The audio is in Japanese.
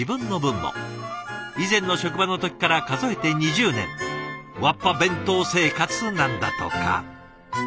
以前の職場の時から数えて２０年わっぱ弁当生活なんだとか。